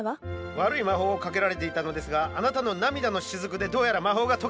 悪い魔法をかけられていたのですがあなたの涙のしずくでどうやら魔法が解けたようです。